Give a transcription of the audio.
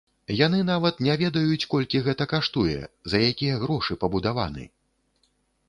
Яны нават не ведаюць, колькі гэта каштуе, за якія грошы пабудаваны.